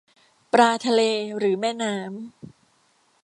ปลาทะเลหรือแม่น้ำ ?